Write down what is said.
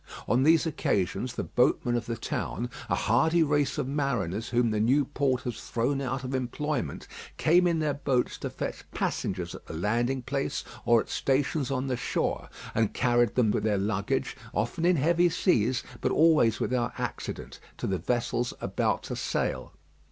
On these occasions the boatmen of the town, a hardy race of mariners whom the new port has thrown out of employment, came in their boats to fetch passengers at the landing place or at stations on the shore, and carried them with their luggage, often in heavy seas, but always without accident, to the vessels about to sail.